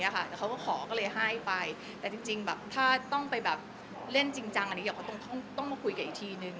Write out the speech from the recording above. เขาก็ขอก็เลยให้ไปแต่จริงถ้าต้องไปเล่นจริงจังก็ต้องมาคุยกับอีทีนึง